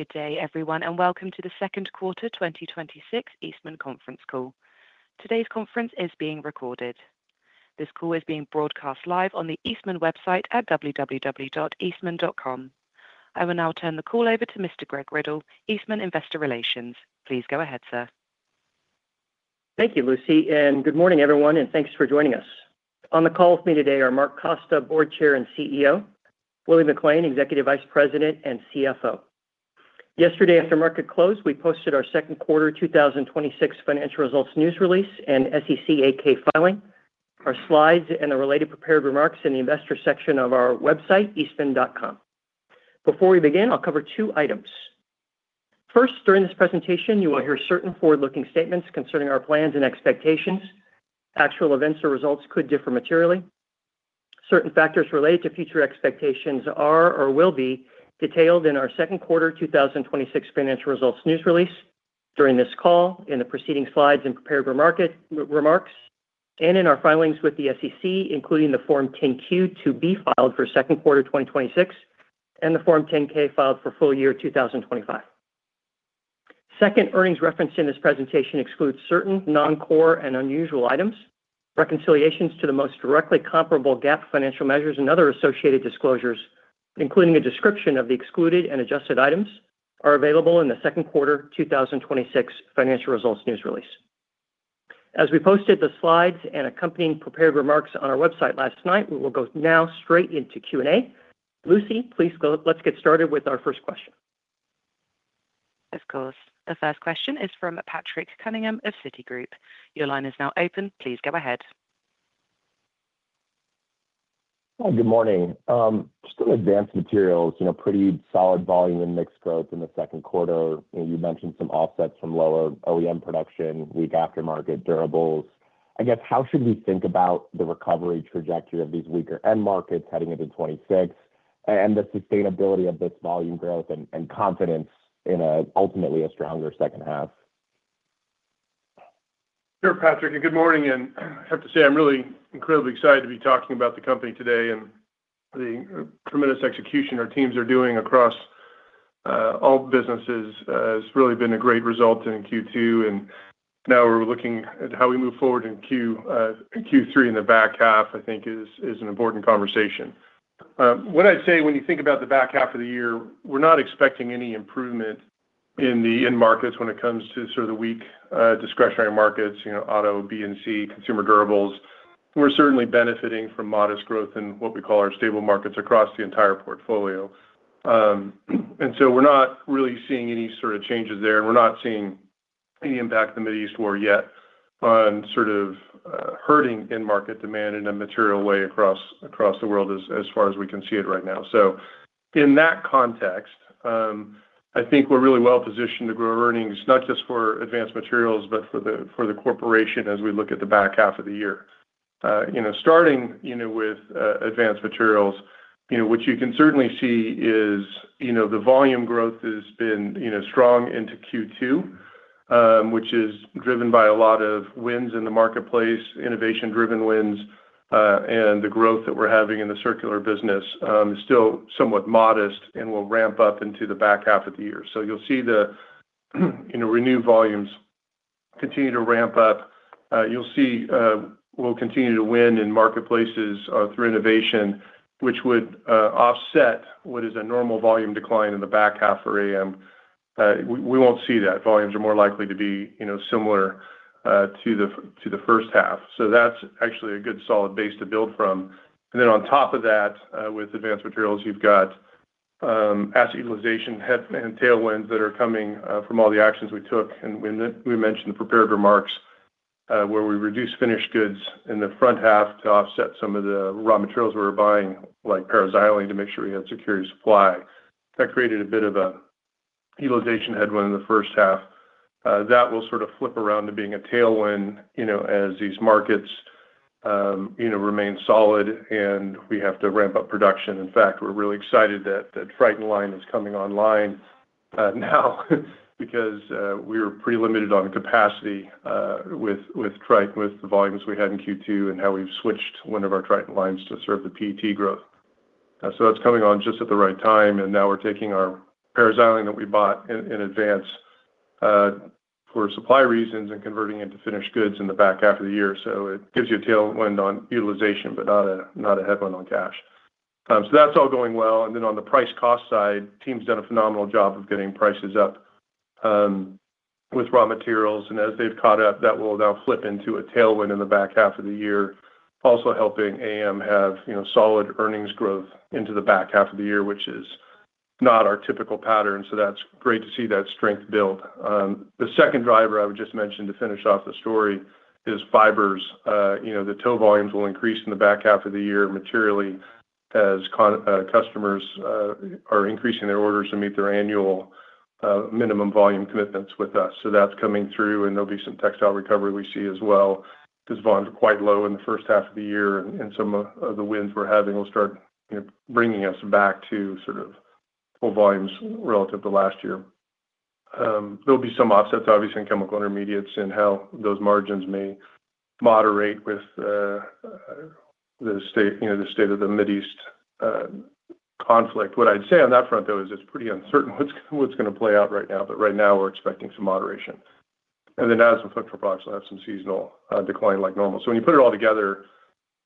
Good day everyone. Welcome to the second quarter 2026 Eastman Conference Call. Today's conference is being recorded. This call is being broadcast live on the Eastman website at www.eastman.com. I will now turn the call over to Mr. Greg Riddle, Eastman Investor Relations. Please go ahead, sir. Thank you, Lucy. Good morning everyone, and thanks for joining us. On the call with me today are Mark Costa, Board Chair and CEO, Willie McLain, Executive Vice President and CFO. Yesterday, after market close, we posted our second quarter 2026 financial results, news release, and SEC 8-K filing, our slides and the related prepared remarks in the investor section of our website, eastman.com. Before we begin, I'll cover two items. First, during this presentation, you will hear certain forward-looking statements concerning our plans and expectations. Actual events or results could differ materially. Certain factors related to future expectations are or will be detailed in our second quarter 2026 financial results news release, during this call, in the proceeding slides and prepared remarks, and in our filings with the SEC, including the Form 10-Q to be filed for second quarter 2026, and the Form 10-K filed for full-year 2025. Second, earnings referenced in this presentation excludes certain non-core and unusual items. Reconciliations to the most directly comparable GAAP financial measures and other associated disclosures, including a description of the excluded and adjusted items, are available in the second quarter 2026 financial results news release. We posted the slides and accompanying prepared remarks on our website last night, we will go now straight into Q&A. Lucy, please, let's get started with our first question. Of course. The first question is from Patrick Cunningham of Citigroup. Your line is now open. Please go ahead. Hi, good morning. Just on Advanced Materials, pretty solid volume and mixed growth in the second quarter. You mentioned some offsets from lower OEM production, weak aftermarket durables. I guess, how should we think about the recovery trajectory of these weaker end markets heading into 2026, and the sustainability of this volume growth and confidence in ultimately a stronger second half? Sure, Patrick, good morning. I have to say, I'm really incredibly excited to be talking about the company today and the tremendous execution our teams are doing across all businesses. Has really been a great result in Q2. Now we're looking at how we move forward in Q3 in the back half, I think is an important conversation. What I'd say when you think about the back half of the year, we're not expecting any improvement in the end markets when it comes to sort of the weak discretionary markets, auto, B and C, consumer durables. We're certainly benefiting from modest growth in what we call our stable markets across the entire portfolio. We're not really seeing any sort of changes there. We're not seeing any impact of the Middle East war yet on sort of hurting end market demand in a material way across the world as far as we can see it right now. In that context, I think we're really well positioned to grow earnings, not just for Advanced Materials, but for the corporation as we look at the back half of the year. Starting with Advanced Materials, what you can certainly see is the volume growth has been strong into Q2, which is driven by a lot of wins in the marketplace, innovation driven wins. The growth that we're having in the circular business is still somewhat modest and will ramp up into the back half of the year. You'll see the Renew volumes continue to ramp up. You'll see we'll continue to win in marketplaces through innovation, which would offset what is a normal volume decline in the back half for AM. We won't see that. Volumes are more likely to be similar to the first half. That's actually a good solid base to build from. On top of that, with Advanced Materials, you've got asset utilization head and tailwinds that are coming from all the actions we took. We mentioned the prepared remarks, where we reduced finished goods in the front half to offset some of the raw materials we were buying, like paraxylene to make sure we had security of supply. That created a bit of a utilization headwind in the first half. That will sort of flip around to being a tailwind, as these markets remain solid and we have to ramp up production. In fact, we're really excited that the Tritan line is coming online now because we were pretty limited on capacity with Tritan with the volumes we had in Q2 and how we've switched one of our Tritan lines to serve the PET growth. That's coming on just at the right time, and now we're taking our paraxylene that we bought in advance for supply reasons and converting it to finished goods in the back half of the year. It gives you a tailwind on utilization, but not a headwind on cash. That's all going well, and then on the price cost side, team's done a phenomenal job of getting prices up with raw materials. As they've caught up, that will now flip into a tailwind in the back half of the year. Also helping AM have solid earnings growth into the back half of the year, which is not our typical pattern, that's great to see that strength build. The second driver I would just mention to finish off the story is Fibers. The tow volumes will increase in the back half of the year materially as customers are increasing their orders to meet their annual minimum volume commitments with us. That's coming through, and there'll be some textile recovery we see as well, because volumes were quite low in the first half of the year, and some of the wins we're having will start bringing us back to sort of full volumes relative to last year. There'll be some offsets, obviously, in Chemical Intermediates and how those margins may moderate with the state of the Mideast conflict. What I'd say on that front, though, is it's pretty uncertain what's going to play out right now. Right now we're expecting some moderation. Then as for petrol products, we'll have some seasonal decline like normal. When you put it all together,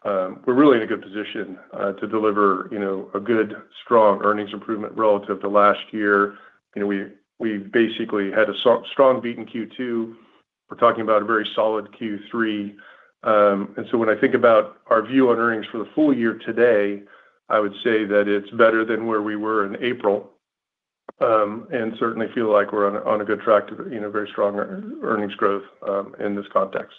we're really in a good position to deliver a good, strong earnings improvement relative to last year. We basically had a strong beat in Q2. We're talking about a very solid Q3. When I think about our view on earnings for the full-year today, I would say that it's better than where we were in April, and certainly feel like we're on a good track to very strong earnings growth in this context.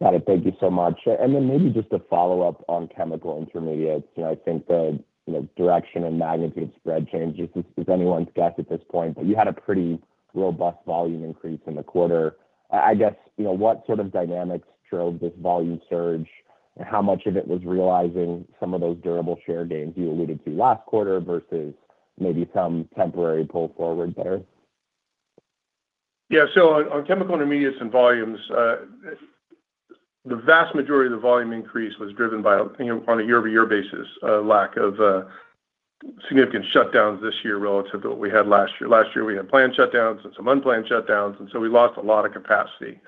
Got it. Thank you so much. Maybe just a follow-up on Chemical Intermediates. I think the direction and magnitude spread changes is anyone's guess at this point, you had a pretty robust volume increase in the quarter. I guess, what sort of dynamics drove this volume surge, and how much of it was realizing some of those durable share gains you alluded to last quarter versus maybe some temporary pull forward there? Yeah. On Chemical Intermediates and volumes, the vast majority of the volume increase was driven by, on a year-over-year basis, a lack of significant shutdowns this year relative to what we had last year. Last year, we had planned shutdowns and some unplanned shutdowns. We lost a lot of capacity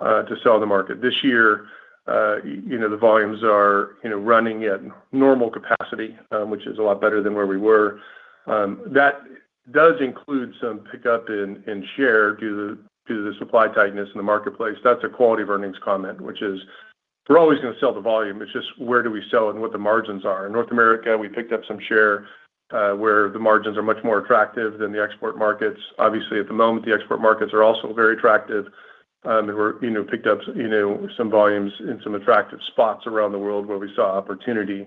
to sell the market. This year, the volumes are running at normal capacity, which is a lot better than where we were. That does include some pickup in share due to the supply tightness in the marketplace. That's a quality of earnings comment, which is we're always going to sell the volume, it's just where do we sell and what the margins are. In North America, we picked up some share, where the margins are much more attractive than the export markets. Obviously, at the moment, the export markets are also very attractive. We picked up some volumes in some attractive spots around the world where we saw opportunity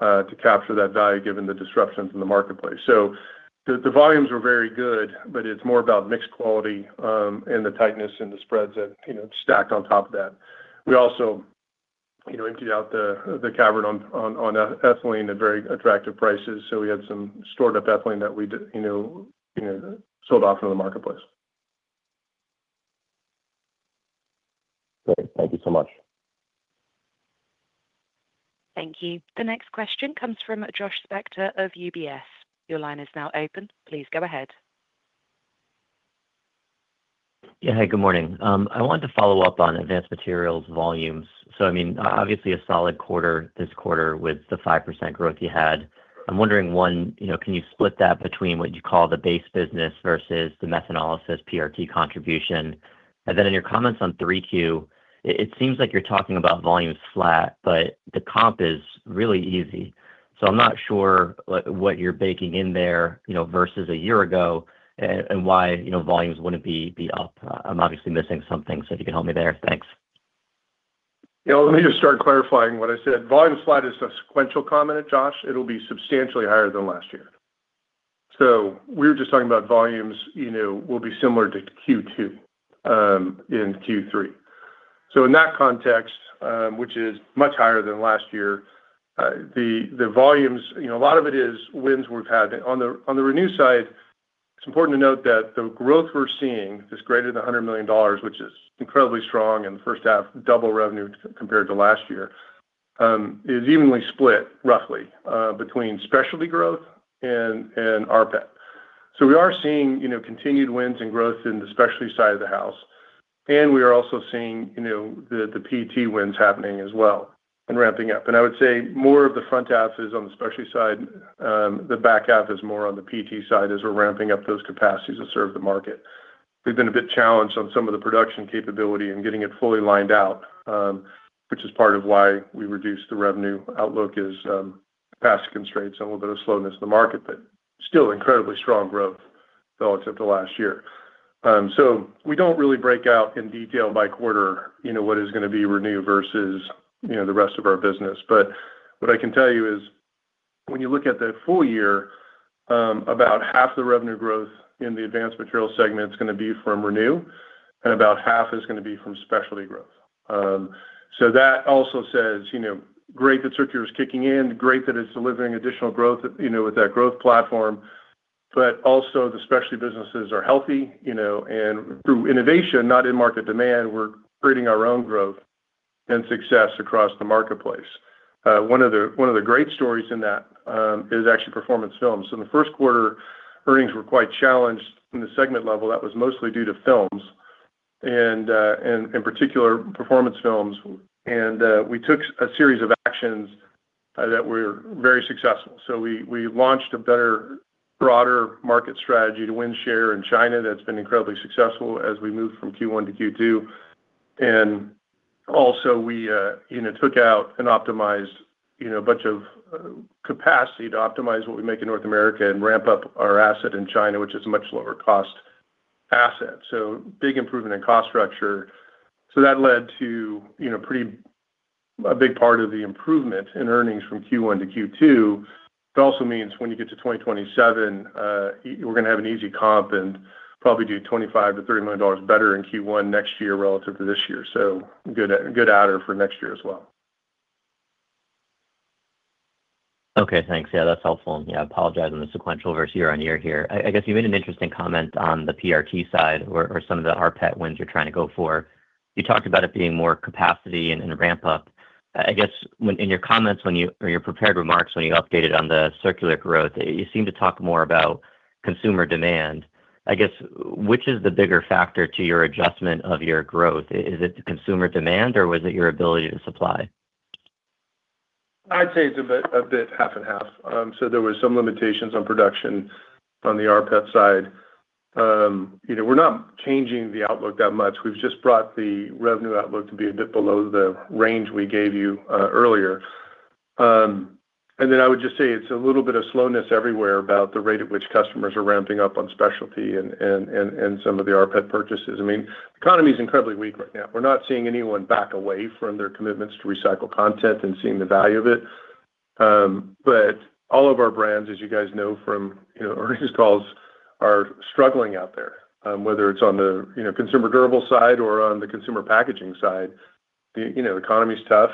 to capture that value given the disruptions in the marketplace. The volumes were very good. It's more about mixed quality, and the tightness and the spreads that stacked on top of that. We also emptied out the cavern on ethylene at very attractive prices. We had some stored up ethylene that we sold off into the marketplace. Great. Thank you so much. Thank you. The next question comes from Josh Spector of UBS. Your line is now open. Please go ahead. Yeah. Hey, good morning. I wanted to follow up on Advanced Materials volumes. Obviously a solid quarter this quarter with the 5% growth you had. I'm wondering, one, can you split that between what you call the base business versus the methanolysis rPET contribution? Then in your comments on 3Q, it seems like you're talking about volumes flat, but the comp is really easy. I'm not sure what you're baking in there versus a year ago and why volumes wouldn't be up. I'm obviously missing something, if you could help me there. Thanks. Yeah. Let me just start clarifying what I said. Volumes flat is a sequential comment, Josh. It'll be substantially higher than last year. We were just talking about volumes will be similar to Q2 in Q3. In that context, which is much higher than last year, the volumes, a lot of it is wins we've had. On the Renew side, it's important to note that the growth we're seeing is greater than $100 million, which is incredibly strong in the first half, double revenue compared to last year, is evenly split, roughly, between specialty growth and rPET. We are seeing continued wins and growth in the specialty side of the house. We are also seeing the PET wins happening as well and ramping up. I would say more of the front half is on the specialty side. The back half is more on the PET side as we're ramping up those capacities that serve the market. We've been a bit challenged on some of the production capability and getting it fully lined out, which is part of why we reduced the revenue outlook is capacity constraints and a little bit of slowness in the market, but still incredibly strong growth relative to last year. We don't really break out in detail by quarter what is going to be Renew versus the rest of our business. What I can tell you is when you look at the full-year, about half the revenue growth in the Advanced Materials segment is going to be from Renew and about half is going to be from specialty growth. That also says, great that circular is kicking in, great that it's delivering additional growth with that growth platform. Also the specialty businesses are healthy, and through innovation, not in market demand, we're creating our own growth and success across the marketplace. One of the great stories in that is actually performance films. In the first quarter, earnings were quite challenged in the segment level. That was mostly due to films, and in particular, performance films. We took a series of actions that were very successful. We launched a better, broader market strategy to win share in China that's been incredibly successful as we moved from Q1 to Q2. Also we took out and optimized a bunch of capacity to optimize what we make in North America and ramp up our asset in China, which is a much lower cost asset. Big improvement in cost structure. That led to a big part of the improvement in earnings from Q1 to Q2. It also means when you get to 2027, we're going to have an easy comp and probably do $25 million- $30 million better in Q1 next year relative to this year. Good adder for next year as well. Okay, thanks. Yeah, that's helpful. Yeah, apologize on the sequential versus year-on-year here. I guess you made an interesting comment on the PRT side or some of the rPET wins you're trying to go for. You talked about it being more capacity and a ramp up. I guess in your comments or your prepared remarks when you updated on the Circular growth, you seem to talk more about consumer demand. I guess, which is the bigger factor to your adjustment of your growth? Is it the consumer demand or was it your ability to supply? I'd say it's a bit half and half. There was some limitations on production on the rPET side. We're not changing the outlook that much. We've just brought the revenue outlook to be a bit below the range we gave you earlier. Then I would just say it's a little bit of slowness everywhere about the rate at which customers are ramping up on specialty and some of the rPET purchases. The economy's incredibly weak right now. We're not seeing anyone back away from their commitments to recycled content and seeing the value of it. All of our brands, as you guys know from earnings calls, are struggling out there. Whether it's on the consumer durable side or on the consumer packaging side, the economy's tough.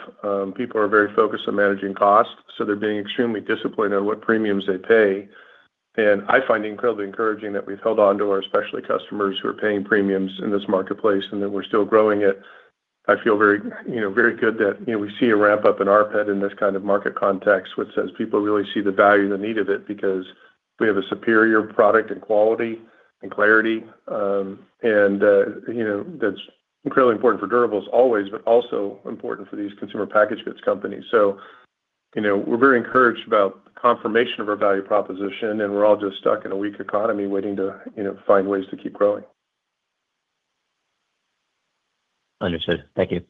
People are very focused on managing costs, so they're being extremely disciplined on what premiums they pay. I find it incredibly encouraging that we've held onto our specialty customers who are paying premiums in this marketplace, and that we're still growing it. I feel very good that we see a ramp-up in rPET in this kind of market context, which says people really see the value and the need of it because we have a superior product and quality and clarity. That's incredibly important for durables always, but also important for these consumer packaged goods companies. We're very encouraged about the confirmation of our value proposition, and we're all just stuck in a weak economy waiting to find ways to keep growing. Understood. Thank you.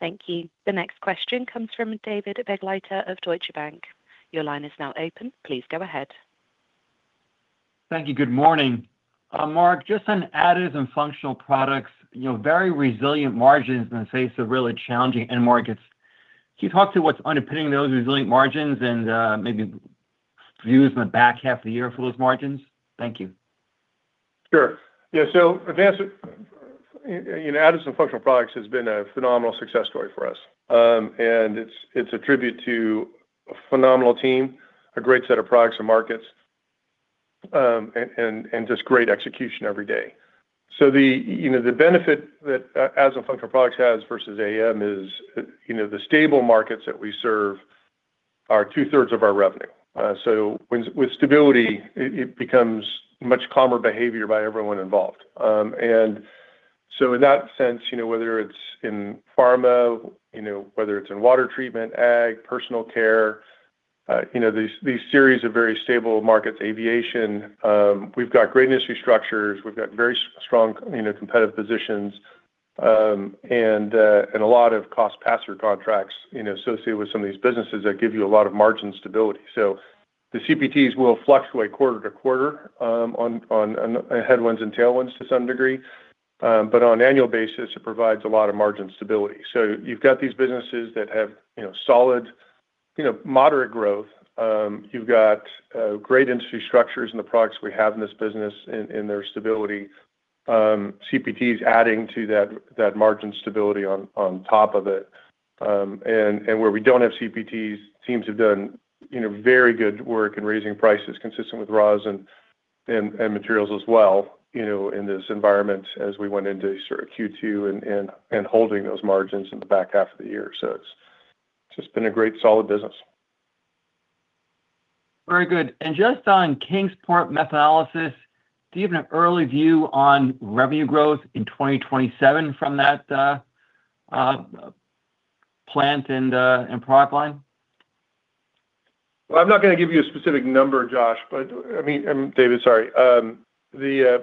Thank you. The next question comes from David Begleiter of Deutsche Bank. Your line is now open. Please go ahead. Thank you. Good morning. Mark, just on Additives & Functional Products, very resilient margins in the face of really challenging end markets. Can you talk to what's underpinning those resilient margins and maybe views on the back half of the year for those margins? Thank you. Sure. Yeah. Advanced Additives & Functional Products has been a phenomenal success story for us. It's a tribute to a phenomenal team, a great set of products and markets, and just great execution every day. The benefit that Additives & Functional Products has versus AM is the stable markets that we serve are 2/3 of our revenue. With stability, it becomes much calmer behavior by everyone involved. In that sense, whether it's in pharma, whether it's in water treatment, ag, personal care, these series of very stable markets, aviation, we've got great industry structures. We've got very strong competitive positions. A lot of cost passer contracts associated with some of these businesses that give you a lot of margin stability. The CPTs will fluctuate quarter-to-quarter on headwinds and tailwinds to some degree. On an annual basis, it provides a lot of margin stability. You've got these businesses that have solid moderate growth. You've got great industry structures in the products we have in this business and their stability. CPT is adding to that margin stability on top of it. Where we don't have CPTs, teams have done very good work in raising prices consistent with raws and materials as well in this environment as we went into Q2 and holding those margins in the back half of the year. It's just been a great, solid business. Very good. Just on Kingsport methanolysis, do you have an early view on revenue growth in 2027 from that plant and pipeline? I'm not going to give you a specific number, Josh, David, sorry. We're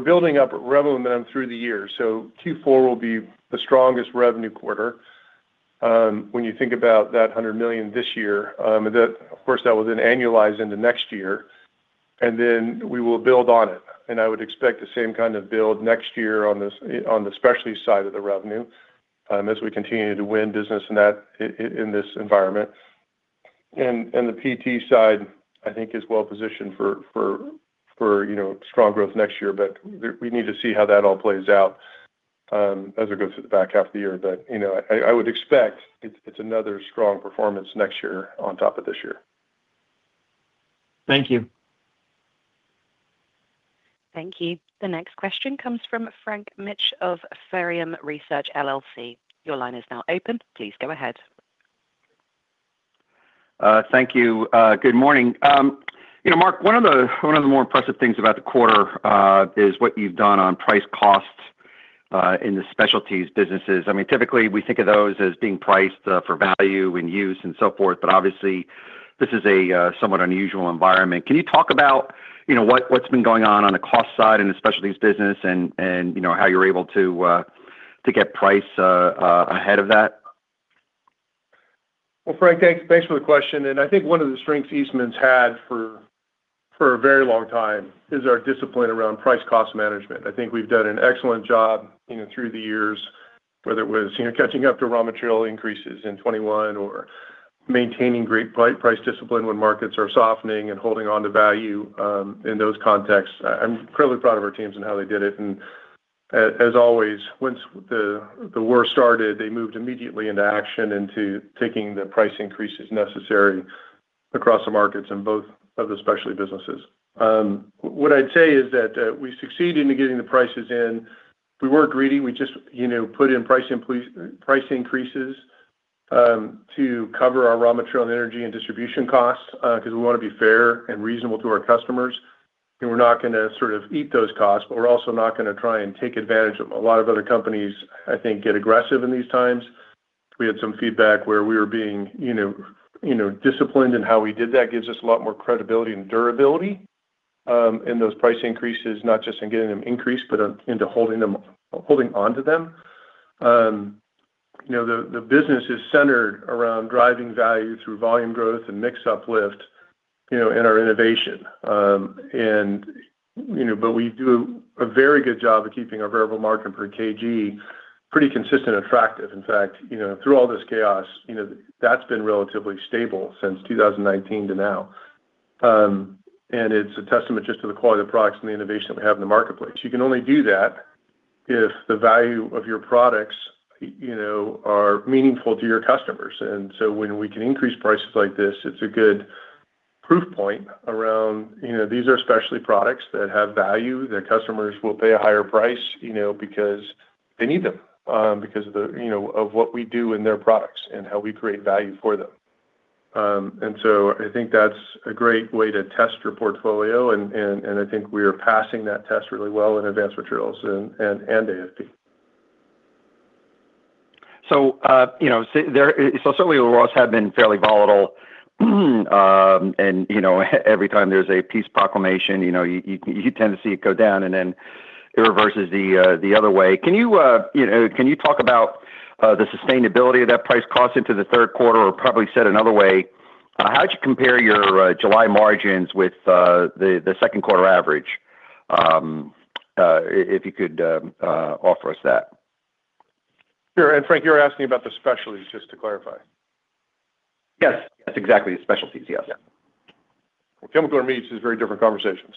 building up revenue momentum through the year. Q4 will be the strongest revenue quarter. When you think about that $100 million this year, of course, that was then annualized into next year, and then we will build on it. I would expect the same kind of build next year on the specialty side of the revenue as we continue to win business in this environment. The PET side, I think, is well positioned for strong growth next year. We need to see how that all plays out as we go through the back half of the year. I would expect it's another strong performance next year on top of this year. Thank you. Thank you. The next question comes from Frank Mitsch of Fermium Research LLC. Your line is now open. Please go ahead. Thank you. Good morning. Mark, one of the more impressive things about the quarter is what you've done on price costs in the specialties businesses. Typically, we think of those as being priced for value and use and so forth, but obviously this is a somewhat unusual environment. Can you talk about what's been going on on the cost side in the specialties business and how you're able to get price ahead of that? Well, Frank, thanks for the question. I think one of the strengths Eastman's had for a very long time is our discipline around price-cost management. I think we've done an excellent job through the years, whether it was catching up to raw material increases in 2021 or maintaining great price discipline when markets are softening and holding onto value in those contexts. I'm incredibly proud of our teams and how they did it. As always, once the war started, they moved immediately into action, into taking the price increases necessary across the markets in both of the specialty businesses. What I'd say is that we succeeded in getting the prices in. We weren't greedy. We just put in price increases to cover our raw material and energy and distribution costs, because we want to be fair and reasonable to our customers, and we're not going to sort of eat those costs, but we're also not going to try and take advantage of them. A lot of other companies, I think, get aggressive in these times. We had some feedback where we were being disciplined in how we did that, gives us a lot more credibility and durability in those price increases, not just in getting them increased, but into holding onto them. The business is centered around driving value through volume growth and mix uplift in our innovation. We do a very good job of keeping our variable margin per kg pretty consistent and attractive. In fact, through all this chaos, that's been relatively stable since 2019 to now. It's a testament just to the quality of the products and the innovation that we have in the marketplace. You can only do that if the value of your products are meaningful to your customers. When we can increase prices like this, it's a good proof point around, these are specialty products that have value, that customers will pay a higher price because they need them, because of what we do in their products and how we create value for them. I think that's a great way to test your portfolio, and I think we are passing that test really well in Advanced Materials and AFP. Certainly the raw materials have been fairly volatile, and every time there's a peace proclamation, you tend to see it go down, and then it reverses the other way. Can you talk about the sustainability of that price cost into the third quarter? Or probably said another way, how'd you compare your July margins with the second quarter average? If you could offer us that. Sure. Frank, you're asking about the specialties, just to clarify. Yes. That's exactly. The specialties. Yes. Well, Chemical Intermediates is a very different conversation.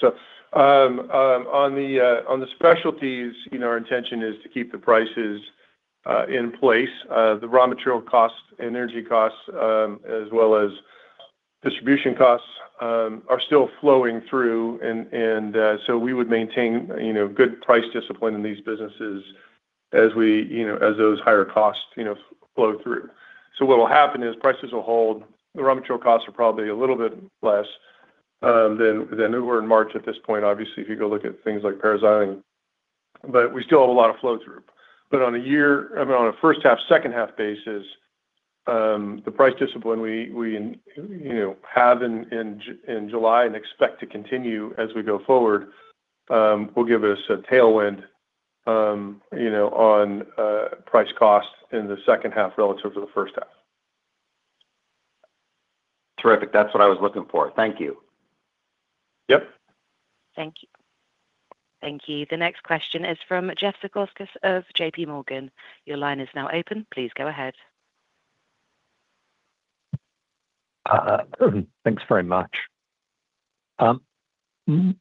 On the specialties, our intention is to keep the prices in place. The raw material costs and energy costs, as well as distribution costs, are still flowing through. We would maintain good price discipline in these businesses as those higher costs flow through. What will happen is prices will hold. The raw material costs are probably a little bit less than they were in March at this point, obviously, if you go look at things like paraxylene. We still have a lot of flow-through. On a first half, second half basis, the price discipline we have in July and expect to continue as we go forward will give us a tailwind on price cost in the second half relative to the first half. Terrific. That's what I was looking for. Thank you. Yep. Thank you. The next question is from Jeff Zekauskas of JPMorgan. Your line is now open. Please go ahead. Thanks very much.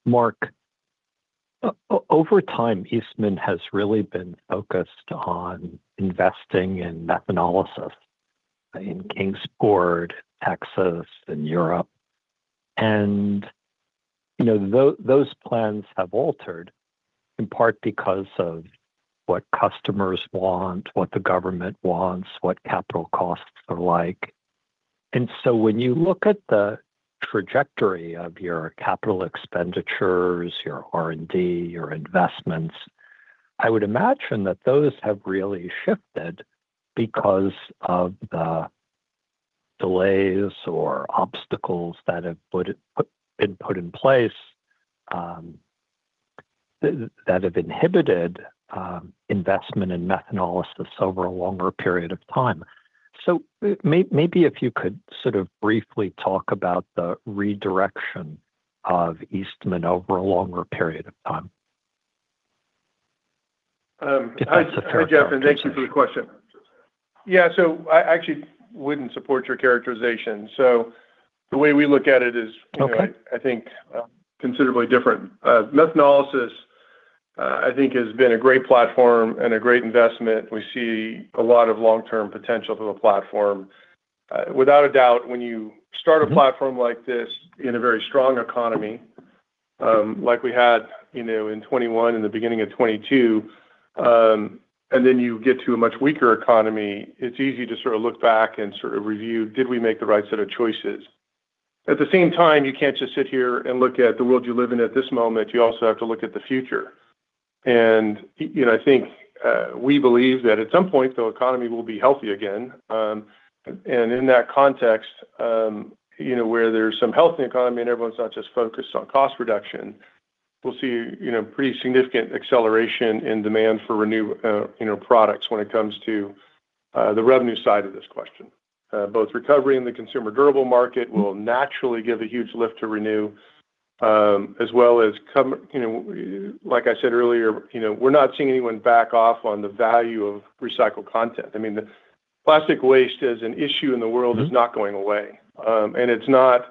Mark, over time, Eastman has really been focused on investing in methanolysis in Kingsport, Texas, and Europe. Those plans have altered, in part because of what customers want, what the government wants, what capital costs are like. When you look at the trajectory of your capital expenditures, your R&D, your investments, I would imagine that those have really shifted because of the delays or obstacles that have been put in place that have inhibited investment in methanolysis over a longer period of time. Maybe if you could sort of briefly talk about the redirection of Eastman over a longer period of time. If that's a fair characterization. Hi, Jeff, thanks for the question. Yeah, I actually wouldn't support your characterization. The way we look at it is- Okay I think considerably different. Methanolysis, I think has been a great platform and a great investment. We see a lot of long-term potential through the platform. Without a doubt, when you start a platform like this in a very strong economy, like we had in 2021 and the beginning of 2022, then you get to a much weaker economy, it's easy to sort of look back and sort of review, did we make the right set of choices? At the same time, you can't just sit here and look at the world you live in at this moment. You also have to look at the future. I think we believe that at some point, the economy will be healthy again. In that context, where there's some health in the economy and everyone's not just focused on cost reduction, we'll see pretty significant acceleration in demand for Renew products when it comes to the revenue side of this question. Both recovery in the consumer durable market will naturally give a huge lift to Renew. As well as, like I said earlier, we're not seeing anyone back off on the value of recycled content. Plastic waste as an issue in the world is not going away. It's not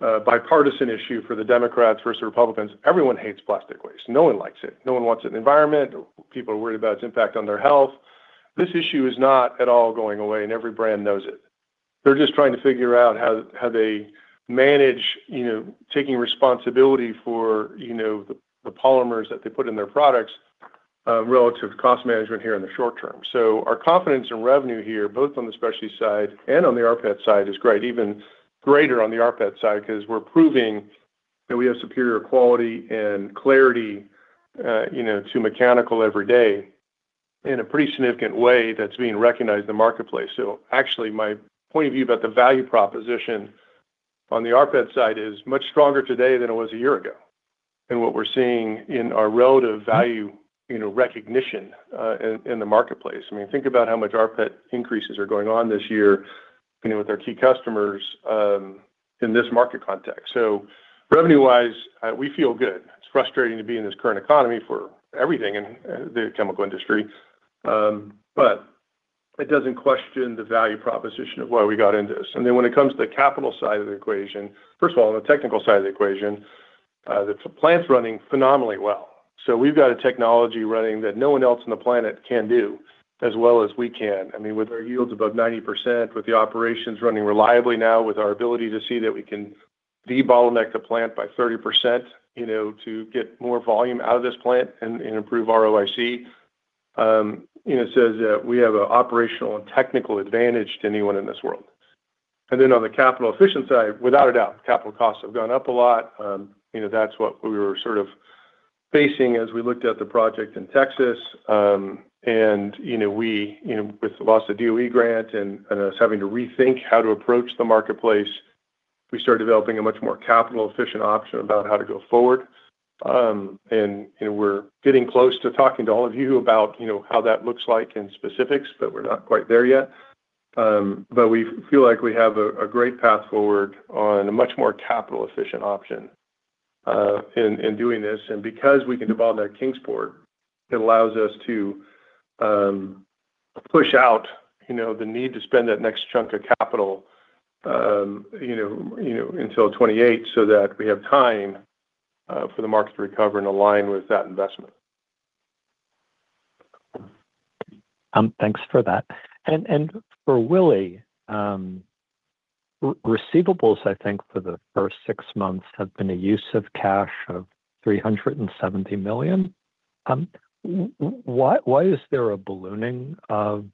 a bipartisan issue for the Democrats versus Republicans. Everyone hates plastic waste. No one likes it. No one wants it in the environment. People are worried about its impact on their health. This issue is not at all going away, and every brand knows it. They're just trying to figure out how they manage taking responsibility for the polymers that they put in their products relative to cost management here in the short term. Our confidence in revenue here, both on the specialty side and on the rPET side, is great. Even greater on the rPET side, because we're proving that we have superior quality and clarity to mechanical every day in a pretty significant way that's being recognized in the marketplace. Actually, my point of view about the value proposition on the rPET side is much stronger today than it was a year ago. What we're seeing in our relative value recognition in the marketplace, think about how much rPET increases are going on this year with our key customers in this market context. Revenue-wise, we feel good. It's frustrating to be in this current economy for everything in the chemical industry, but it doesn't question the value proposition of why we got into this. When it comes to the capital side of the equation, first of all, on the technical side of the equation, the plant's running phenomenally well. We've got a technology running that no one else on the planet can do as well as we can. With our yields above 90%, with the operations running reliably now, with our ability to see that we can debottleneck the plant by 30%, to get more volume out of this plant and improve ROIC, it says that we have an operational and technical advantage to anyone in this world. On the capital efficient side, without a doubt, capital costs have gone up a lot. That's what we were sort of facing as we looked at the project in Texas. With the loss of DOE grant and us having to rethink how to approach the marketplace, we started developing a much more capital efficient option about how to go forward. We're getting close to talking to all of you about how that looks like in specifics, but we're not quite there yet. We feel like we have a great path forward on a much more capital efficient option in doing this. Because we can develop that Kingsport, it allows us to push out the need to spend that next chunk of capital until 2028 so that we have time for the market to recover and align with that investment. Thanks for that. For Willie, receivables, I think for the first six months have been a use of cash of $370 million. Why is there a ballooning of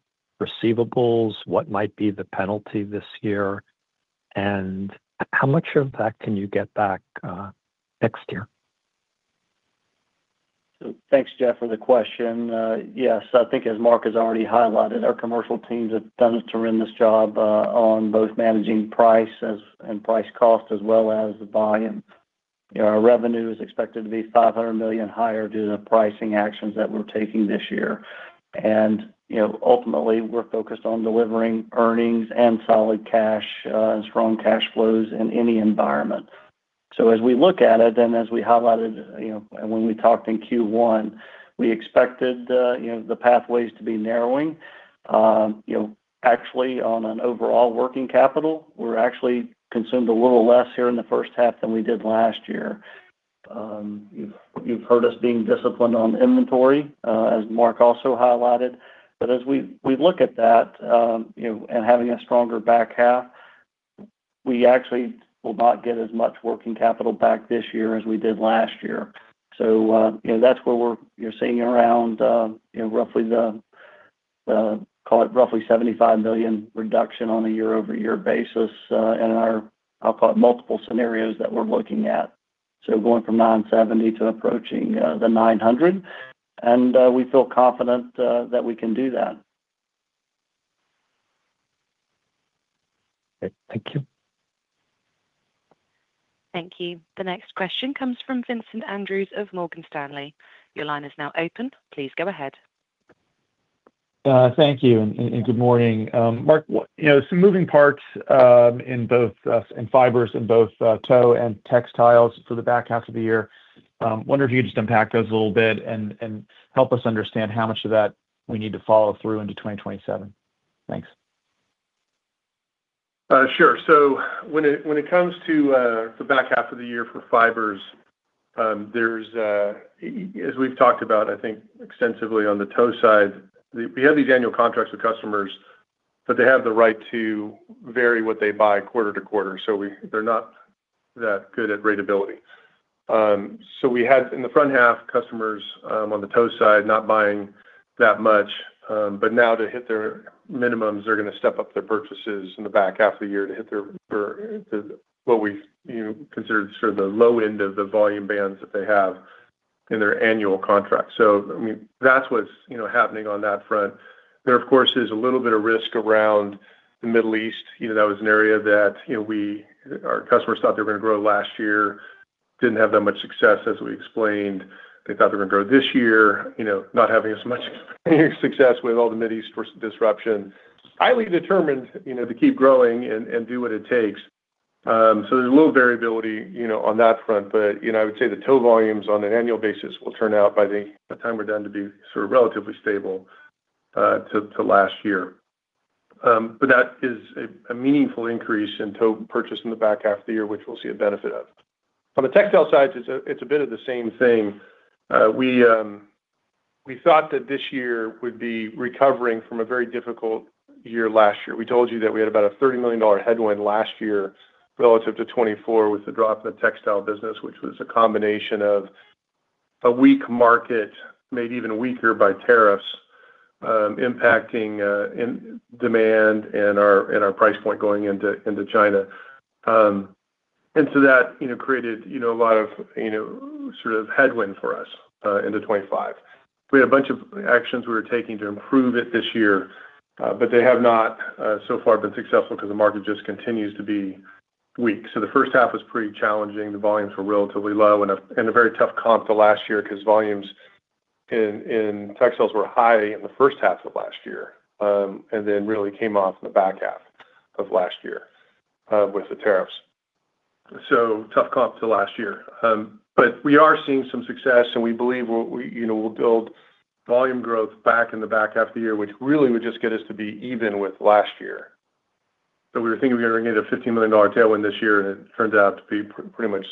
receivables? What might be the penalty this year? How much of that can you get back next year? Thanks, Jeff, for the question. Yes, I think as Mark has already highlighted, our commercial teams have done a tremendous job on both managing price and price cost as well as the volume. Our revenue is expected to be $500 million higher due to the pricing actions that we're taking this year. Ultimately, we're focused on delivering earnings and solid cash, strong cash flows in any environment. As we look at it, and as we highlighted when we talked in Q1, we expected the pathways to be narrowing. Actually on an overall working capital, we actually consumed a little less here in the first half than we did last year. You've heard us being disciplined on inventory, as Mark also highlighted. As we look at that, and having a stronger back half, we actually will not get as much working capital back this year as we did last year. That's where you're seeing around, call it roughly $75 million reduction on a year-over-year basis in our, I'll call it multiple scenarios that we're looking at. Going from $970 million to approaching the $900 million, and we feel confident that we can do that. Okay. Thank you. Thank you. The next question comes from Vincent Andrews of Morgan Stanley. Your line is now open. Please go ahead. Thank you, and good morning. Mark, some moving parts in Fibers in both tow and textiles for the back half of the year. Wonder if you could just unpack those a little bit and help us understand how much of that we need to follow through into 2027. Thanks. Sure. When it comes to the back half of the year for Fibers, as we've talked about, I think extensively on the tow side, we have these annual contracts with customers, they have the right to vary what they buy quarter-to-quarter. They're not that good at ratability. We had in the front half customers on the tow side not buying that much. Now to hit their minimums, they're going to step up their purchases in the back half of the year to hit what we consider sort of the low end of the volume bands that they have in their annual contract. That's what's happening on that front. There, of course, is a little bit of risk around the Middle East. That was an area that our customers thought they were going to grow last year, didn't have that much success as we explained. They thought they were going to grow this year, not having as much success with all the Middle East disruption. Highly determined to keep growing and do what it takes. There's a little variability on that front. I would say the tow volumes on an annual basis will turn out by the time we're done to be sort of relatively stable to last year. That is a meaningful increase in tow purchase in the back half of the year, which we'll see a benefit of. On the textile side, it's a bit of the same thing. We thought that this year would be recovering from a very difficult year last year. We told you that we had about a $30 million headwind last year relative to 2024 with the drop in the textile business, which was a combination of a weak market, made even weaker by tariffs, impacting demand and our price point going into China. That created a lot of sort of headwind for us into 2025. We had a bunch of actions we were taking to improve it this year, they have not so far been successful because the market just continues to be weak. The first half was pretty challenging. The volumes were relatively low and a very tough comp to last year because volumes in textiles were high in the first half of last year. Really came off in the back half of last year with the tariffs. Tough comp to last year. We are seeing some success and we believe we'll build volume growth back in the back half of the year, which really would just get us to be even with last year. We were thinking we were going to get a $15 million tailwind this year, it turns out to be pretty much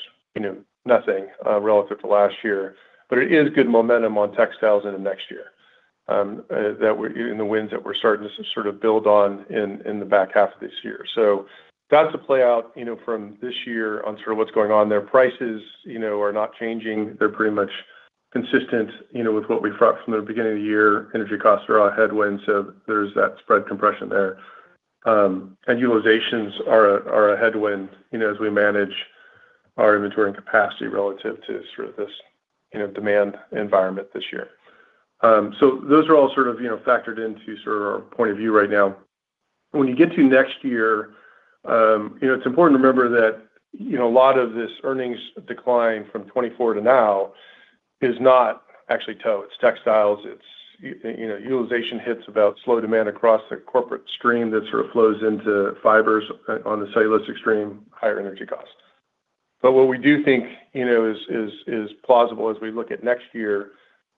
nothing relative to last year. It is good momentum on textiles into next year in the winds that we're starting to sort of build on in the back half of this year. That's a playout from this year on sort of what's going on there. Prices are not changing. They're pretty much consistent with what we thought from the beginning of the year. Energy costs are a headwind, there's that spread compression there. Utilizations are a headwind as we manage our inventory and capacity relative to this demand environment this year. Those are all sort of factored into our point of view right now. When you get to next year, it's important to remember that a lot of this earnings decline from 2024 to now is not actually tow, it's textiles, it's utilization hits about slow demand across the corporate stream that sort of flows into Fibers on the cellulosic stream, higher energy cost. What we do think is plausible as we look at next year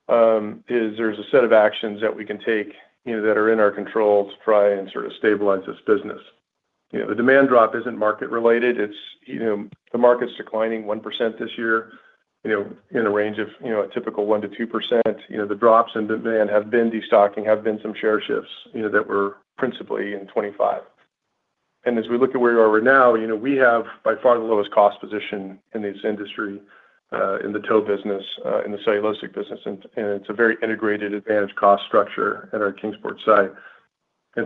is there's a set of actions that we can take that are in our control to try and stabilize this business. The demand drop isn't market related. The market's declining 1% this year, in a range of a typical 1%-2%. The drops in demand have been de-stocking, have been some share shifts that were principally in 2025. As we look at where we are right now, we have by far the lowest cost position in this industry, in the tow business, in the cellulosic business, and it's a very integrated advantage cost structure at our Kingsport site.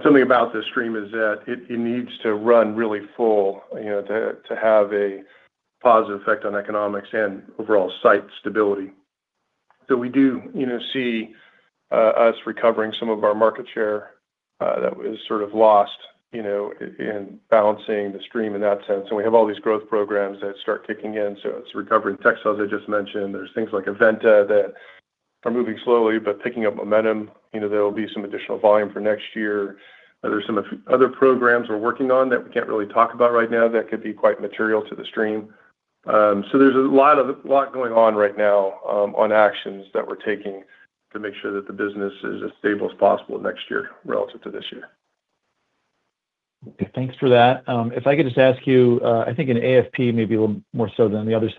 Something about this stream is that it needs to run really full to have a positive effect on economics and overall site stability. We do see us recovering some of our market share that was sort of lost in balancing the stream in that sense. We have all these growth programs that start kicking in. It's recovering textiles I just mentioned. There's things like Aventa that are moving slowly, but picking up momentum. There'll be some additional volume for next year. There's some other programs we're working on that we can't really talk about right now that could be quite material to the stream. There's a lot going on right now on actions that we're taking to make sure that the business is as stable as possible next year relative to this year. Okay, thanks for that. If I could just ask you, I think in AFP maybe a little more so than the other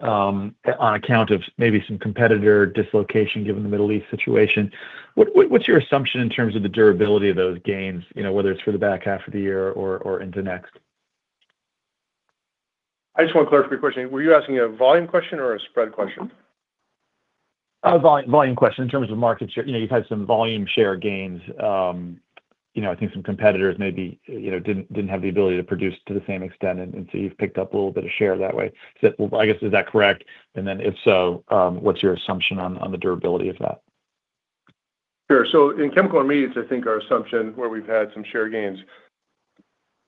segments, there's been some share gains that have come on account of maybe some competitor dislocation given the Middle East situation. What's your assumption in terms of the durability of those gains, whether it's for the back half of the year or into next? I just want to clarify your question. Were you asking a volume question or a spread question? A volume question in terms of market share. You've had some volume share gains. I think some competitors maybe didn't have the ability to produce to the same extent, you've picked up a little bit of share that way. I guess, is that correct? If so, what's your assumption on the durability of that? Sure. In Chemical Intermediates, I think our assumption where we've had some share gains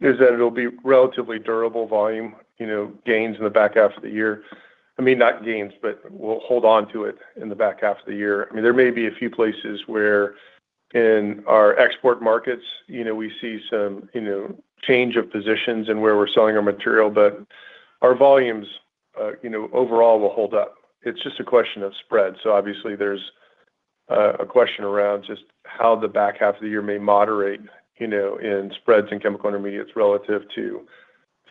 is that it'll be relatively durable volume gains in the back half of the year. I mean, not gains, we'll hold onto it in the back half of the year. There may be a few places where in our export markets we see some change of positions in where we're selling our material, our volumes overall will hold up. It's just a question of spread. Obviously there's a question around just how the back half of the year may moderate in spreads in Chemical Intermediates relative to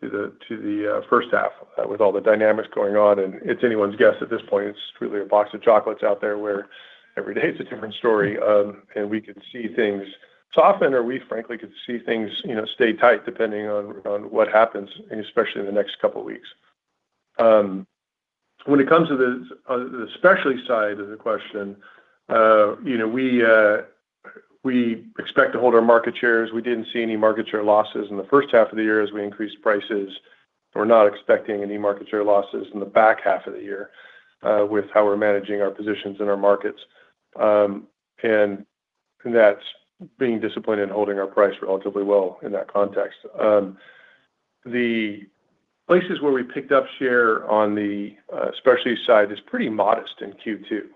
the first half with all the dynamics going on, it's anyone's guess at this point. It's truly a box of chocolates out there where every day it's a different story. We could see things soften or we frankly could see things stay tight depending on what happens, especially in the next couple of weeks. When it comes to the specialty side of the question, we expect to hold our market shares. We didn't see any market share losses in the first half of the year as we increased prices. We're not expecting any market share losses in the back half of the year with how we're managing our positions in our markets. That's being disciplined and holding our price relatively well in that context. The places where we picked up share on the specialty side is pretty modest in Q2.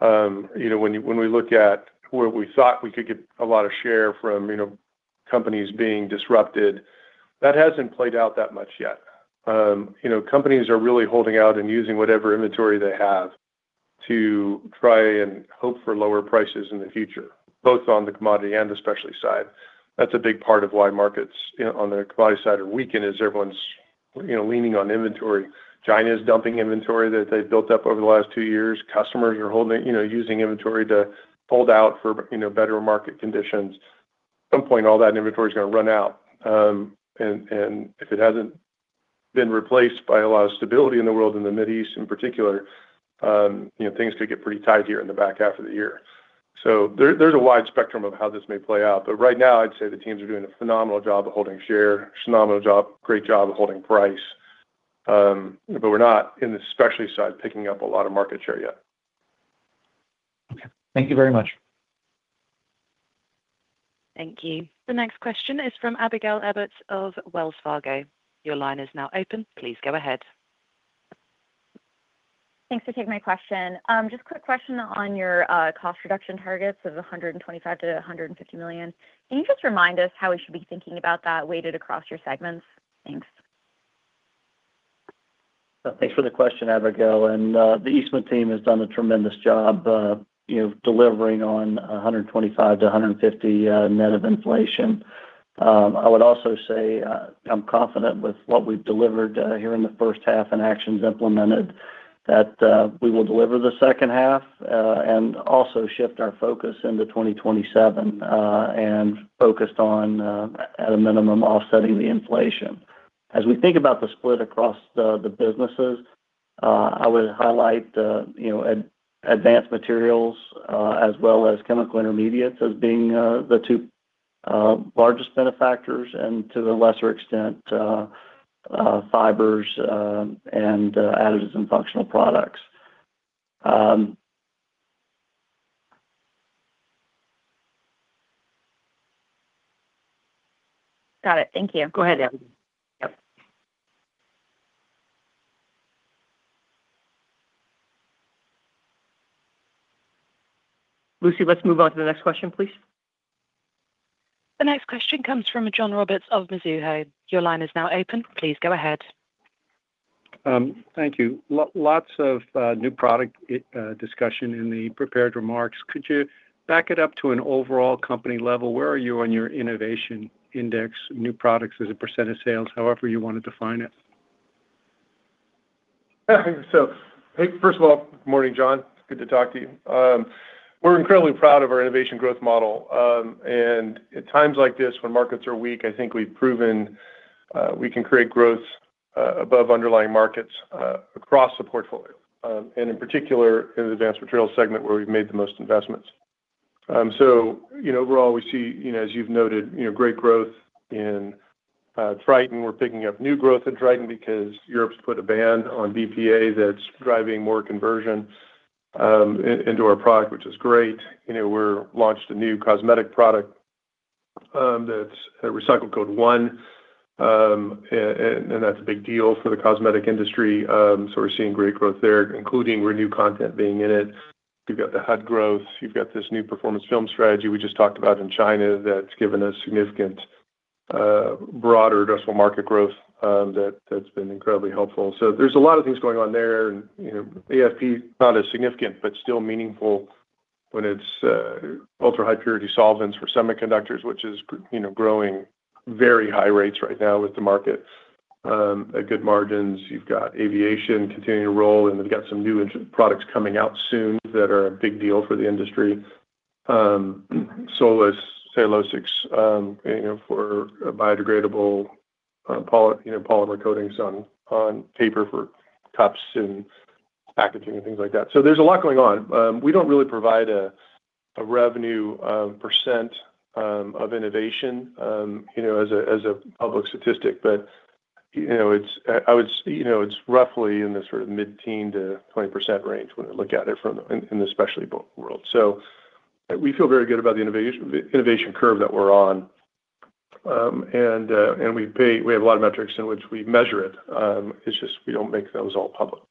When we look at where we thought we could get a lot of share from companies being disrupted, that hasn't played out that much yet. Companies are really holding out and using whatever inventory they have to try and hope for lower prices in the future, both on the commodity and the specialty side. That's a big part of why markets on the commodity side are weakened, is everyone's leaning on inventory. China's dumping inventory that they've built up over the last two years. Customers are using inventory to hold out for better market conditions. At some point, all that inventory is going to run out. If it hasn't been replaced by a lot of stability in the world, in the Mid East in particular, things could get pretty tight here in the back half of the year. Right now, I'd say the teams are doing a phenomenal job of holding share, phenomenal job, great job of holding price. We're not, in the specialty side, picking up a lot of market share yet. Okay. Thank you very much. Thank you. The next question is from Abigail Eberts of Wells Fargo. Your line is now open. Please go ahead. Thanks for taking my question. Just a quick question on your cost reduction targets of $125 million-$150 million. Can you just remind us how we should be thinking about that weighted across your segments? Thanks. Thanks for the question, Abigail. The Eastman team has done a tremendous job delivering on $125-$150 net of inflation. I would also say I'm confident with what we've delivered here in the first half and actions implemented, that we will deliver the second half, and also shift our focus into 2027, and focused on, at a minimum, offsetting the inflation. As we think about the split across the businesses, I would highlight Advanced Materials, as well as Chemical Intermediates as being the two largest benefactors and to a lesser extent, Fibers and Additives & Functional Products. Got it. Thank you. Go ahead, Abby. Yep. Lucy, let's move on to the next question, please. The next question comes from John Roberts of Mizuho. Your line is now open. Please go ahead. Thank you. Lots of new product discussion in the prepared remarks. Could you back it up to an overall company level? Where are you on your innovation index, new products as a % of sales, however you want to define it? First of all, good morning, John. It's good to talk to you. We're incredibly proud of our innovation growth model. At times like this when markets are weak, I think we've proven we can create growth above underlying markets across the portfolio. In particular, in the Advanced Materials segment where we've made the most investments. Overall, we see, as you've noted, great growth in Tritan. We're picking up new growth in Tritan because Europe's put a ban on BPA that's driving more conversion into our product, which is great. We launched a new cosmetic product that's a recycle code one, and that's a big deal for the cosmetic industry. We're seeing great growth there, including Renew content being in it. You've got the HUD growth. You've got this new performance film strategy we just talked about in China that's given us significant broad addressable market growth that's been incredibly helpful. There's a lot of things going on there, and AFP is not as significant, but still meaningful when it's ultra high purity solvents for semiconductors, which is growing very high rates right now with the market at good margins. You've got aviation continuing to roll, and we've got some new products coming out soon that are a big deal for the industry. Solace Cellulosics for biodegradable polymer coatings on paper for cups and packaging and things like that. There's a lot going on. We don't really provide a revenue percent of innovation as a public statistic, but it's roughly in the sort of mid-teen to 20% range when you look at it in the specialty world. We feel very good about the innovation curve that we're on. We have a lot of metrics in which we measure it. It's just we don't make those all public.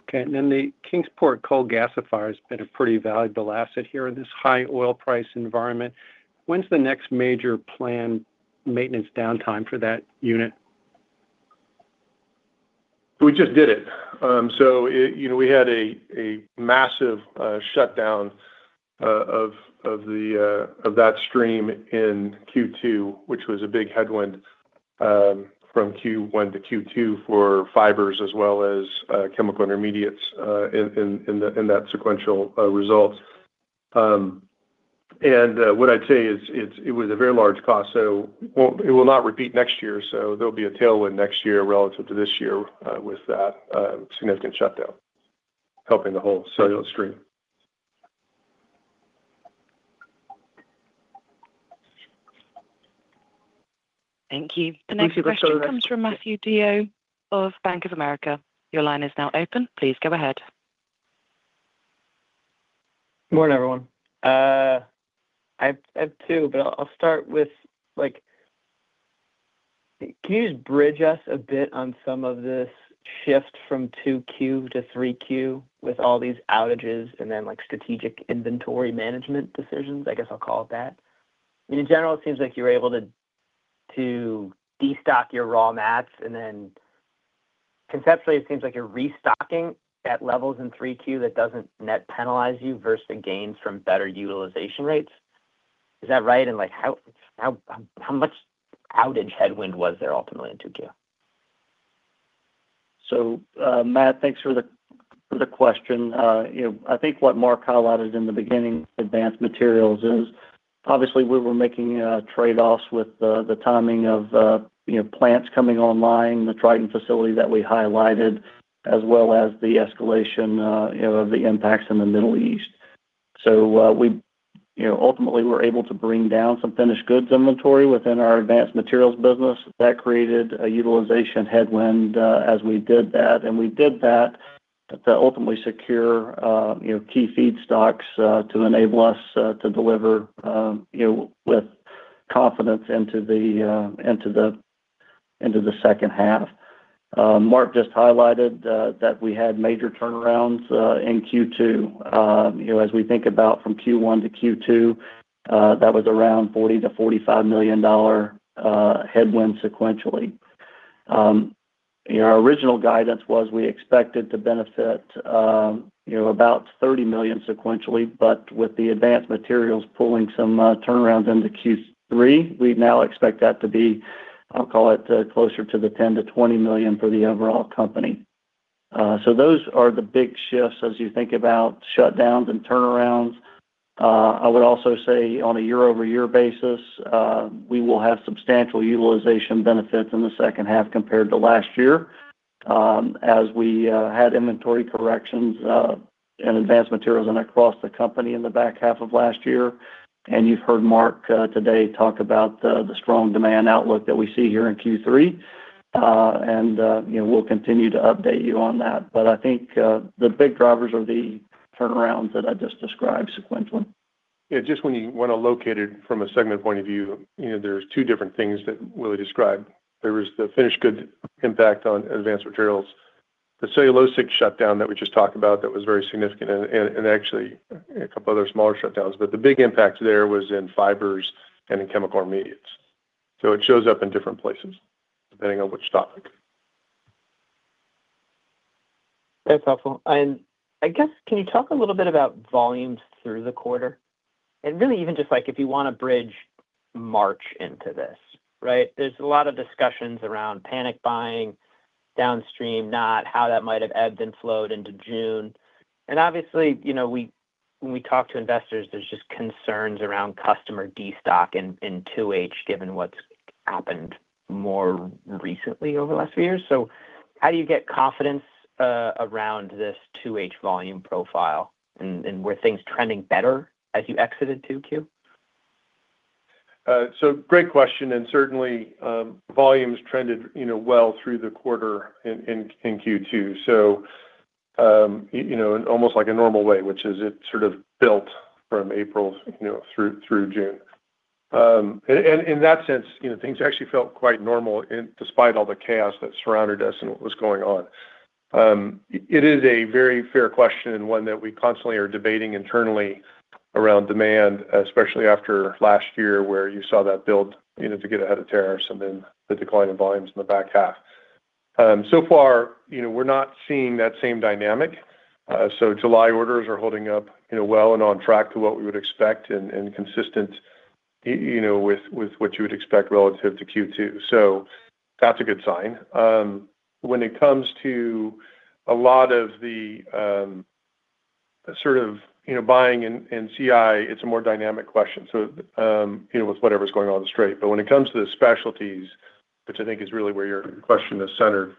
Okay, the Kingsport coal gasifier has been a pretty valuable asset here in this high oil price environment. When's the next major planned maintenance downtime for that unit? We just did it. We had a massive shutdown of that stream in Q2, which was a big headwind from Q1 to Q2 for Fibers as well as Chemical Intermediates in that sequential result. What I'd say is it was a very large cost, it will not repeat next year, there'll be a tailwind next year relative to this year with that significant shutdown helping the whole cellulose stream. Thank you. The next question comes from Matthew DeYoe of Bank of America. Your line is now open. Please go ahead. Morning, everyone. I have two, I'll start with, can you just bridge us a bit on some of this shift from 2Q to 3Q with all these outages strategic inventory management decisions? I guess I'll call it that. In general, it seems like you were able to de-stock your raw mats, conceptually, it seems like you're restocking at levels in 3Q that doesn't net penalize you versus gains from better utilization rates. Is that right? How much outage headwind was there ultimately in 2Q? Matt, thanks for the question. I think what Mark highlighted in the beginning, Advanced Materials is obviously we were making trade-offs with the timing of plants coming online, the Tritan facility that we highlighted, as well as the escalation of the impacts in the Middle East. Ultimately, we were able to bring down some finished goods inventory within our Advanced Materials business. That created a utilization headwind as we did that. We did that to ultimately secure key feedstocks to enable us to deliver with confidence into the second half. Mark just highlighted that we had major turnarounds in Q2. As we think about from Q1 to Q2, that was around $40 million-$45 million headwind sequentially. Our original guidance was we expected to benefit about $30 million sequentially, but with the Advanced Materials pulling some turnarounds into Q3, we now expect that to be, I'll call it, closer to the $10 million-$20 million for the overall company. Those are the big shifts as you think about shutdowns and turnarounds. I would also say on a year-over-year basis, we will have substantial utilization benefits in the second half compared to last year as we had inventory corrections in Advanced Materials and across the company in the back half of last year. You've heard Mark today talk about the strong demand outlook that we see here in Q3. We'll continue to update you on that. But I think the big drivers are the turnarounds that I just described sequentially. Just when you want to locate it from a segment point of view, there's two different things that Willie described. There was the finished good impact on Advanced Materials. The cellulosic shutdown that we just talked about, that was very significant and actually a couple other smaller shutdowns, but the big impact there was in Fibers and in Chemical Intermediates. It shows up in different places depending on which stock. That's helpful. I guess, can you talk a little bit about volumes through the quarter? Really even just if you want to bridge March into this. Right? There's a lot of discussions around panic buying downstream, not how that might have ebbed and flowed into June. Obviously, when we talk to investors, there's just concerns around customer de-stock in 2H, given what's happened more recently over the last few years. How do you get confidence around this 2H volume profile, and were things trending better as you exited 2Q? Great question, certainly, volumes trended well through the quarter in Q2. Almost like a normal way, which is it sort of built from April through June. In that sense, things actually felt quite normal despite all the chaos that surrounded us and what was going on. It is a very fair question and one that we constantly are debating internally around demand, especially after last year where you saw that build to get ahead of tariffs and then the decline in volumes in the back half. Far, we're not seeing that same dynamic. July orders are holding up well and on track to what we would expect and consistent with what you would expect relative to Q2. That's a good sign. When it comes to a lot of the buying in CI, it's a more dynamic question, with whatever's going on with the Strait. When it comes to the specialties, which I think is really where your question is centered,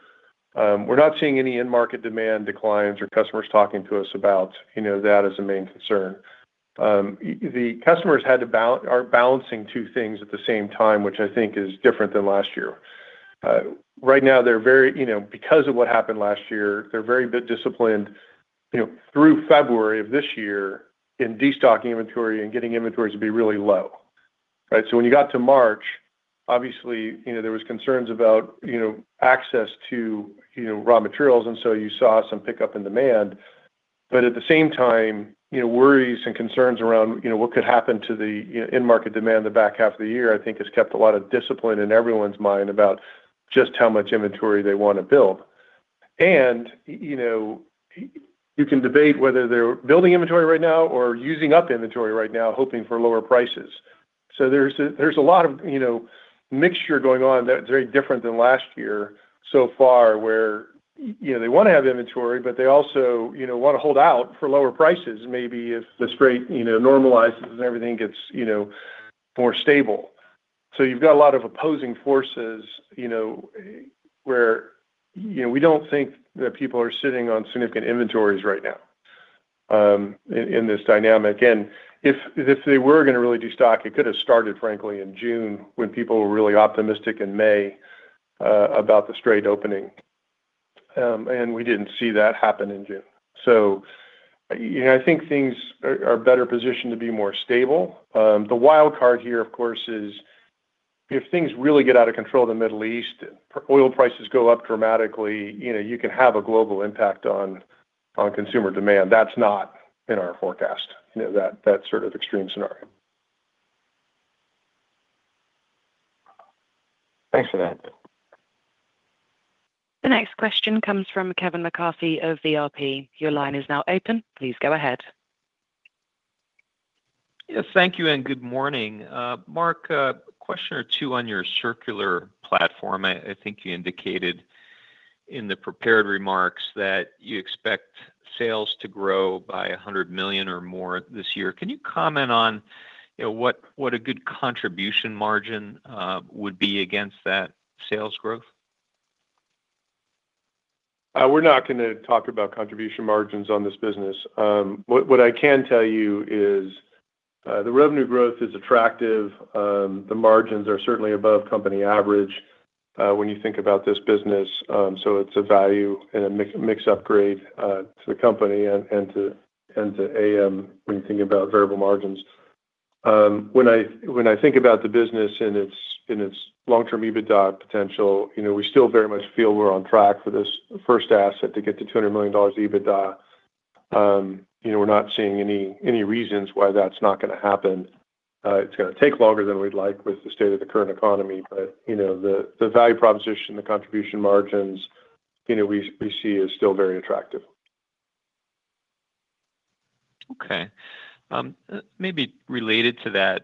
we're not seeing any end market demand declines or customers talking to us about that as a main concern. The customers are balancing two things at the same time, which I think is different than last year. Right now, because of what happened last year, they're very disciplined through February of this year in de-stocking inventory and getting inventories to be really low. Right. When you got to March, obviously, there was concerns about access to raw materials, you saw some pickup in demand. At the same time, worries and concerns around what could happen to the end market demand the back half of the year, I think, has kept a lot of discipline in everyone's mind about just how much inventory they want to build. You can debate whether they're building inventory right now or using up inventory right now, hoping for lower prices. There's a lot of mixture going on that's very different than last year so far where they want to have inventory, they also want to hold out for lower prices, maybe if the Strait normalizes and everything gets more stable. You've got a lot of opposing forces where we don't think that people are sitting on significant inventories right now in this dynamic. If they were going to really de-stock, it could have started, frankly, in June when people were really optimistic in May about the Strait opening. We didn't see that happen in June. I think things are better positioned to be more stable. The wild card here, of course, is if things really get out of control in the Middle East, oil prices go up dramatically, you can have a global impact on consumer demand. That's not in our forecast, that sort of extreme scenario. Thanks for that. The next question comes from Kevin McCarthy of VRP. Your line is now open. Please go ahead. Yes, thank you, and good morning. Mark, a question or two on your circular platform. I think you indicated in the prepared remarks that you expect sales to grow by $100 million or more this year. Can you comment on what a good contribution margin would be against that sales growth? We're not going to talk about contribution margins on this business. What I can tell you is the revenue growth is attractive. The margins are certainly above company average when you think about this business. It's a value and a mix upgrade to the company and to AM when you think about variable margins. When I think about the business and its long-term EBITDA potential, we still very much feel we're on track for this first asset to get to $200 million EBITDA. We're not seeing any reasons why that's not going to happen. It's going to take longer than we'd like with the state of the current economy, but the value proposition, the contribution margins, we see as still very attractive. Okay. Maybe related to that,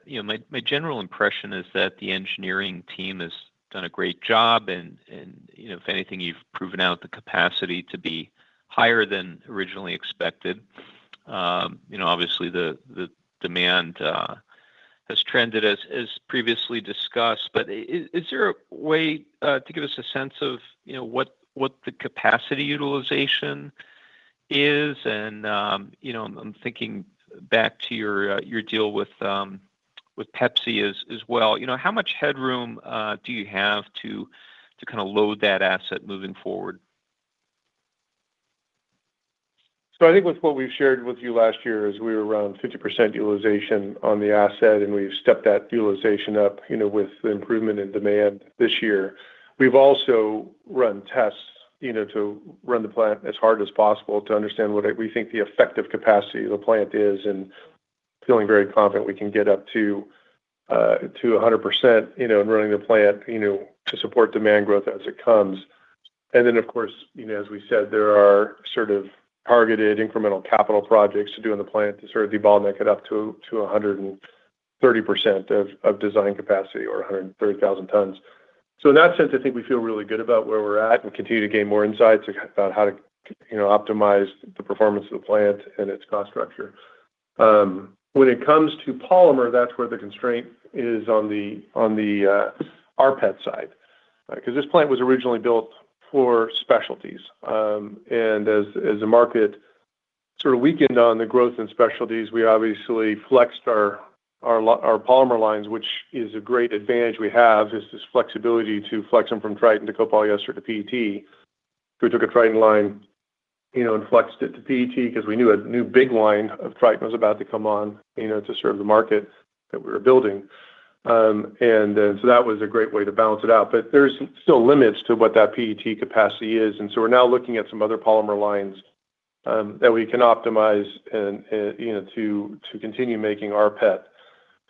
my general impression is that the engineering team has done a great job and, if anything, you've proven out the capacity to be higher than originally expected. Obviously, the demand has trended as previously discussed, is there a way to give us a sense of what the capacity utilization is? I'm thinking back to your deal with PepsiCo as well. How much headroom do you have to load that asset moving forward? I think with what we've shared with you last year is we were around 50% utilization on the asset, we've stepped that utilization up with the improvement in demand this year. We've also run tests to run the plant as hard as possible to understand what we think the effective capacity of the plant is, feeling very confident we can get up to 100% in running the plant to support demand growth as it comes. Of course, as we said, there are targeted incremental capital projects to do in the plant to debottleneck it up to 130% of design capacity or 130,000 tons. In that sense, I think we feel really good about where we're at and continue to gain more insights about how to optimize the performance of the plant and its cost structure. When it comes to polymer, that's where the constraint is on the rPET side, because this plant was originally built for specialties. As the market sort of weakened on the growth in specialties, we obviously flexed our polymer lines, which is a great advantage we have, is this flexibility to flex them from Tritan to copolymer to PET. We took a Tritan line and flexed it to PET because we knew a new big line of Tritan was about to come on to serve the market that we were building. That was a great way to balance it out. There's still limits to what that PET capacity is. We're now looking at some other polymer lines that we can optimize to continue making our PET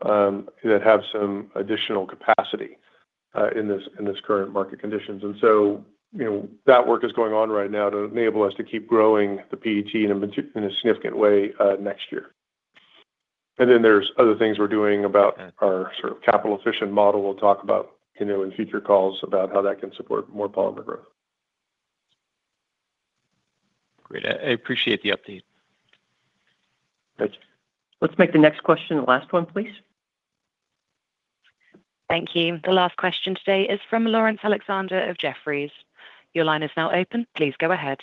that have some additional capacity in this current market conditions. That work is going on right now to enable us to keep growing the PET in a significant way next year. There's other things we're doing about our capital efficient model we'll talk about in future calls about how that can support more polymer growth. Great. I appreciate the update. Thanks. Let's make the next question the last one, please. Thank you. The last question today is from Laurence Alexander of Jefferies. Your line is now open. Please go ahead.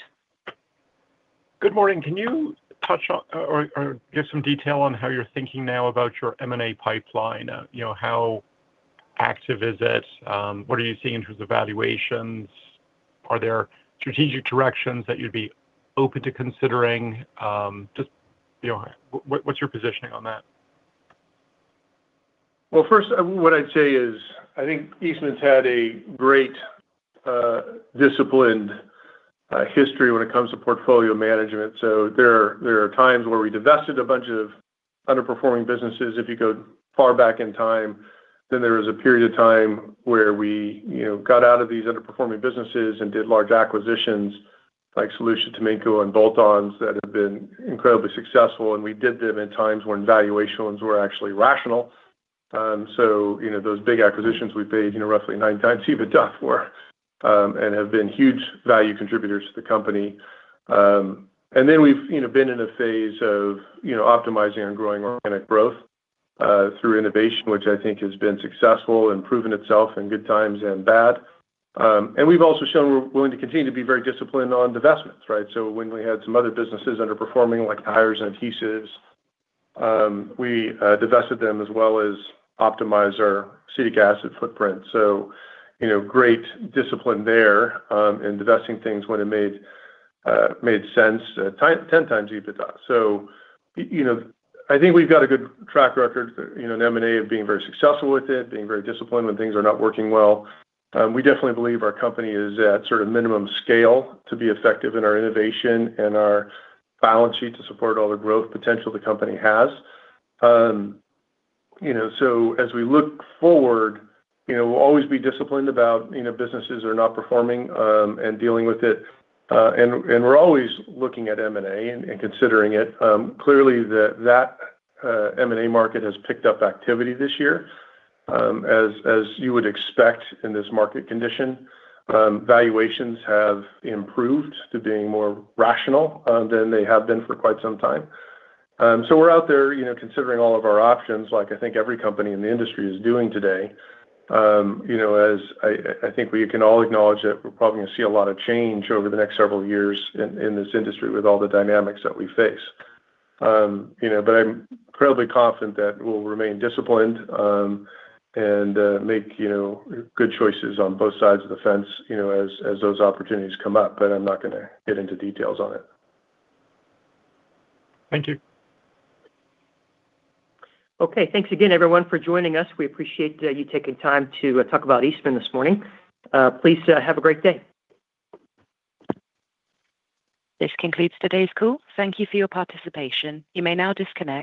Good morning. Can you touch on or give some detail on how you're thinking now about your M&A pipeline? How active is it? What are you seeing in terms of valuations? Are there strategic directions that you'd be open to considering? Just what's your positioning on that? First, what I'd say is, I think Eastman's had a great disciplined history when it comes to portfolio management. There are times where we divested a bunch of underperforming businesses if you go far back in time. There was a period of time where we got out of these underperforming businesses and did large acquisitions like Solutia, Taminco, and bolt-ons that have been incredibly successful, and we did them in times when valuations were actually rational. Those big acquisitions we paid roughly 9x EBITDA for and have been huge value contributors to the company. We've been in a phase of optimizing and growing organic growth through innovation, which I think has been successful and proven itself in good times and bad. We've also shown we're willing to continue to be very disciplined on divestments. Right? When we had some other businesses underperforming, like tires and adhesives, we divested them as well as optimized our acetic acid footprint. Great discipline there in divesting things when it made sense, 10x EBITDA. I think we've got a good track record in M&A of being very successful with it, being very disciplined when things are not working well. We definitely believe our company is at minimum scale to be effective in our innovation and our balance sheet to support all the growth potential the company has. As we look forward, we'll always be disciplined about businesses that are not performing and dealing with it. We're always looking at M&A and considering it. Clearly, that M&A market has picked up activity this year. As you would expect in this market condition, valuations have improved to being more rational than they have been for quite some time. We're out there considering all of our options, like I think every company in the industry is doing today. I think we can all acknowledge that we're probably going to see a lot of change over the next several years in this industry with all the dynamics that we face. I'm incredibly confident that we'll remain disciplined and make good choices on both sides of the fence as those opportunities come up. I'm not going to get into details on it. Thank you. Okay. Thanks again, everyone, for joining us. We appreciate you taking time to talk about Eastman this morning. Please have a great day. This concludes today's call. Thank you for your participation. You may now disconnect.